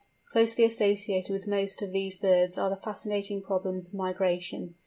Closely associated with most of these birds are the fascinating problems of Migration.